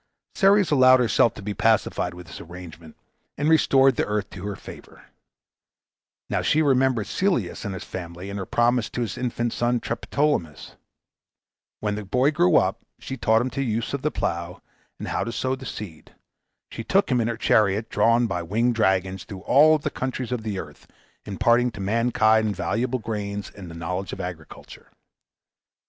Ceres allowed herself to be pacified with this arrangement, and restored the earth to her favor. Now she remembered Celeus and his family, and her promise to his infant son Triptolemus. When the boy grew up, she taught him the use of the plough, and how to sow the seed. She took him in her chariot, drawn by winged dragons, through all the countries of the earth, imparting to mankind valuable grains, and the knowledge of agriculture.